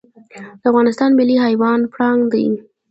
د افغانستان ملي حیوان پړانګ دی